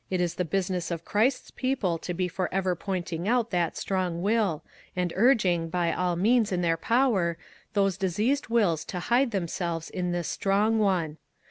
is the business of Christ's people to be for ever pointing out that strong will, and urg ing, by all means in their power, those dis eased wills to hide themselves in this strong one.